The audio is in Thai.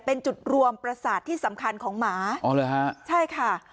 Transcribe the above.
เป็นจุดรวมประสาทที่สำคัญของหมาอ๋อเหรอฮะใช่ค่ะ